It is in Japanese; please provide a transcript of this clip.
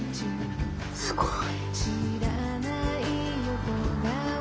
すごい。